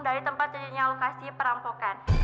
dari tempat terjadinya lokasi perampokan